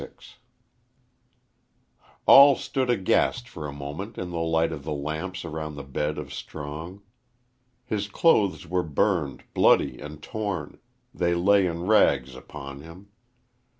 XXXVI ALL stood aghast for a moment in the light of the lamps around the bed of Strong. His clothes were burned, bloody, and torn they lay in rags upon him.